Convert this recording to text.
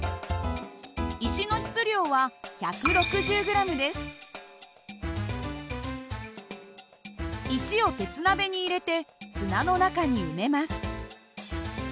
石の質量は石を鉄鍋に入れて砂の中に埋めます。